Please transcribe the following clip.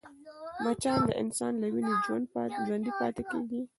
مچان د انسان له وینې ژوندی پاتې کېږي